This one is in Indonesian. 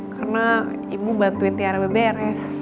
karena ibu bantuin tiara beberes